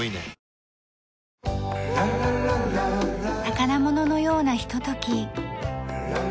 宝物のようなひととき。